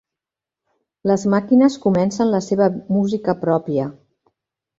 Les màquines comencen la seva música pròpia.